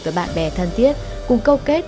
và bạn bè thân thiết cùng câu kết